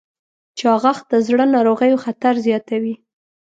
چاغښت د زړه ناروغیو خطر زیاتوي.